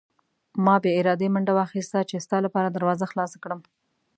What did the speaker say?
ما بې ارادې منډه واخیسته چې ستا لپاره دروازه خلاصه کړم.